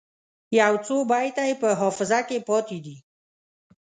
یو څو بیته یې په حافظه کې پاته دي.